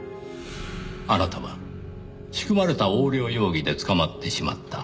あなたは仕組まれた横領容疑で捕まってしまった。